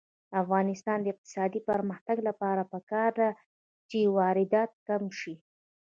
د افغانستان د اقتصادي پرمختګ لپاره پکار ده چې واردات کم شي.